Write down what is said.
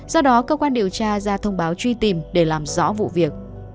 do đó cơ quan điều tra ra thông báo truy tìm để làm rõ vụ việc